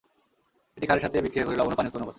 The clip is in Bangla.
এটি ক্ষারের সাথে বিক্রিয়া করে লবণ ও পানি উৎপন্ন করে।